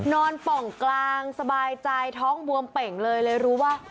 ป่องกลางสบายใจท้องบวมเป่งเลยเลยรู้ว่า